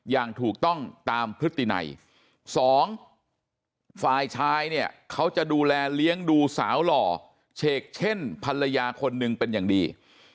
อย่างถูกต้องตามพฤตินัยสองฝ่ายชายเนี่ยเขาจะดูแลเลี้ยงดูสาวหล่อเฉกเช่นภรรยาคนหนึ่งเป็นอย่างดี